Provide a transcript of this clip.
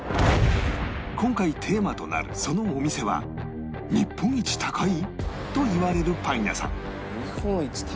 今回テーマとなるそのお店は日本一高いパン屋さん。